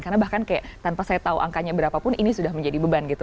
karena bahkan kayak tanpa saya tahu angkanya berapa pun ini sudah menjadi beban gitu